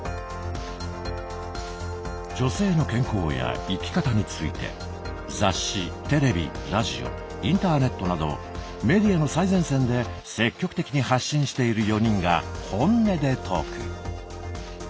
女性の健康や生き方について雑誌テレビラジオインターネットなどメディアの最前線で積極的に発信している４人が本音でトーク。